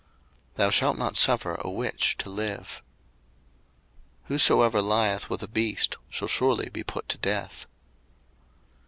02:022:018 Thou shalt not suffer a witch to live. 02:022:019 Whosoever lieth with a beast shall surely be put to death.